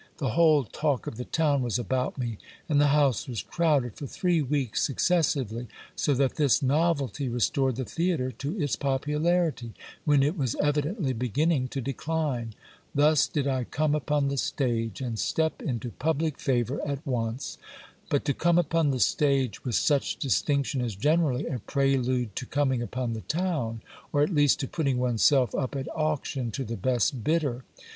The whole talk of the town was about me, and the house was crowded for three weeks successively; so that this novelty restored the theatre to its popularity, when it was evidently beginning to decline. Thus did I come upon the stage, and step into public favour at once. But to come upon the stage with such distinction, is generally a prelude to coming upon the town ; or at least to putting one's self up at auction to the best bidder.